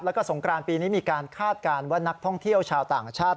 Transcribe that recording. แล้วก็สงกรานปีนี้มีการคาดการณ์ว่านักท่องเที่ยวชาวต่างชาติ